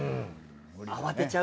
慌てちゃうから。